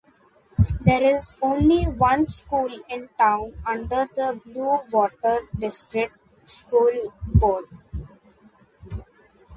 There is only one school in town under the Bluewater District School Board.